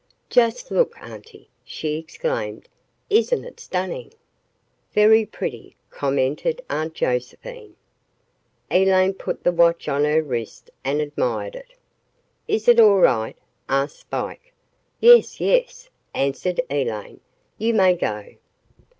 "Just look, Auntie," she exclaimed. "Isn't it stunning?" "Very pretty," commented Aunt Josephine. Elaine put the watch on her wrist and admired it. "Is it all right?" asked Spike. "Yes, yes," answered Elaine. "You may go."